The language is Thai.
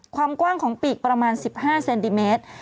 ความกว้างของปีกประมาณ๑๕เซนติเมตร